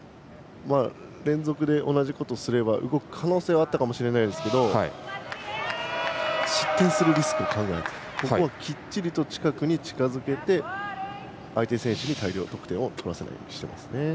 連続で同じことをすれば動く可能性はあったかもしれないですけど失点するリスクを考えてここをきっちりと近くに近づけて相手選手に大量得点を取らせないようにしています。